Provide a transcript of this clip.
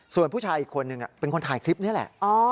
ส่วนผู้ชายอีกคนหนึ่งเป็นคนถ่ายคลิปนี้แหละ